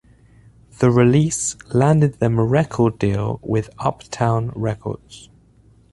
The release landed them a record deal with Uptown Records.